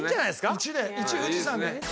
１で１富士山で。